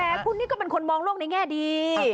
แต่คุณนี่ก็เป็นคนมองโลกในแง่ดี